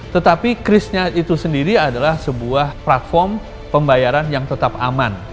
tetapi krisnya itu sendiri adalah sebuah platform pembayaran yang tetap aman